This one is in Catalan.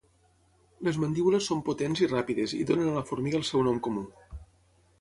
Les mandíbules són potents i ràpides, i donen a la formiga el seu nom comú.